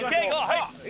はい。